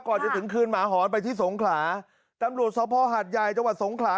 ก่อนจะถึงคืนหมาหอนไปที่สงขลาตำรวจสภหัดใหญ่จังหวัดสงขลา